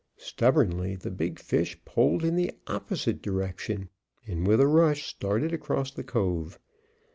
Stubbornly the big fish pulled in the opposite direction, and with a rush started across the cove.